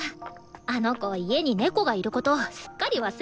あの子家に猫がいることすっかり忘れててさ。